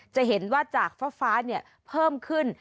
จะเห็นว่าจากฟ้าฟ้าเนี้ยเพิ่มขึ้น